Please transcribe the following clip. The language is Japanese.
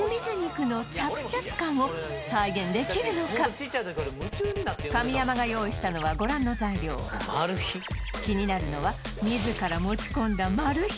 果たしてこの神山が用意したのはご覧の材料気になるのは自ら持ち込んだマル秘